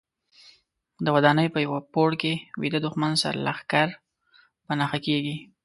د ودانۍ په یوه پوړ کې ویده دوښمن سرلښکر په نښه کېږي.